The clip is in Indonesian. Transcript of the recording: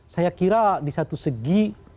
saya kira di satu segi